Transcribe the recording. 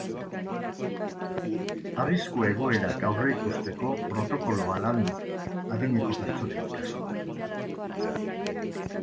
Arrisku egoerak aurreikusteko protokoloa landu, adineko pertsonen kasuan.